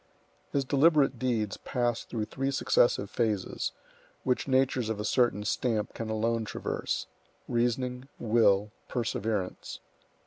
His deliberate deeds passed through three successive phases, which natures of a certain stamp can alone traverse,—reasoning, will, perseverance.